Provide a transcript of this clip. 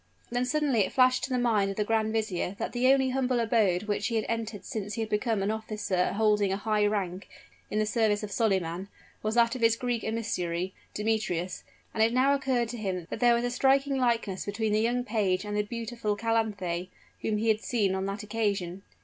Then suddenly it flashed to the mind of the grand vizier that the only humble abode which he had entered since he had become an officer holding a high rank in the service of Solyman, was that of his Greek emissary, Demetrius; and it now occurred to him, that there was a striking likeness between the young page and the beautiful Calanthe: whom he had seen on that occasion.